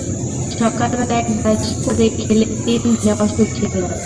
সকালবেলা এক গ্লাস করে খেলে তিন দিনে অসুখ সেরে যাবে।